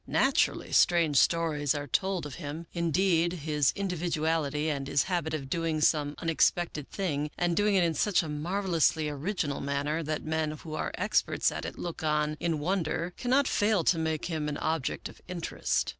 Naturally, strange stories are told of him; indeed, his individuality and his habit of doing some unexpected thing, and doing it in such a marvelously original manner that men who are experts at it look on in wonder, cannot fail to make him an object of interest.